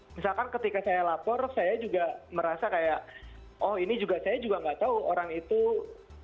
misalkan ketika saya lapor saya juga merasa kayak oh ini juga saya juga enggak tahu orang itu melakukan pelaku yang membegal